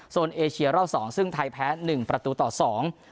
เอเชียรอบสองซึ่งไทยแพ้หนึ่งประตูต่อสอง